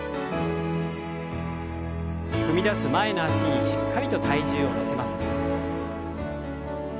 踏み出す前の脚にしっかりと体重を乗せます。